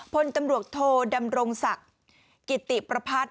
พลตำรวจโทดำรงศักดิ์กิติประพัฒน์